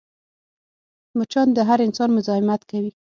مچان د هر انسان مزاحمت کوي